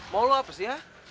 mau lo apa sih ya